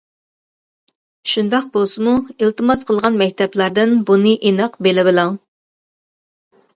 شۇنداق بولسىمۇ ئىلتىماس قىلغان مەكتەپلەردىن بۇنى ئېنىق بىلىۋېلىڭ.